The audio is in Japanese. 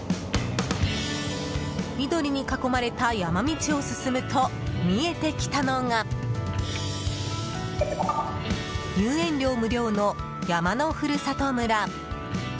緑に囲まれた山道を進むと見えてきたのが入園料無料の山のふるさと村。